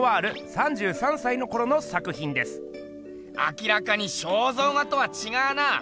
明らかに肖像画とはちがうな。